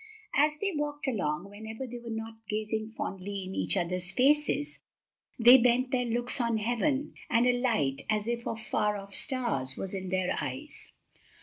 As they walked along, whenever they were not gazing fondly in each other's faces they bent their looks on heaven, and a light, as if of far off stars, was in their eyes.